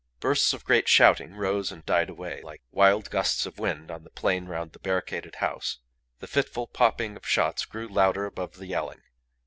Bursts of great shouting rose and died away, like wild gusts of wind on the plain round the barricaded house; the fitful popping of shots grew louder above the yelling.